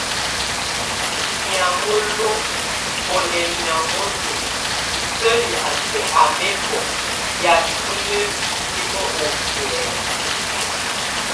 Miaŋo lum, o lɛ miaŋo lum hisɛli a sɛk a mɛ́kɔ, yatʼ ó nabitim okie?